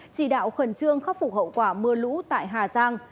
chỉ đạo khẩn trương khắc phục hậu quả mưa lũ tại hà giang